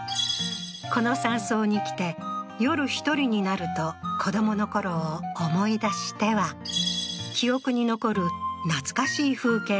この山荘に来て夜１人になると子どものころを思い出しては記憶に残る懐かしい風景を描き残しているそうだ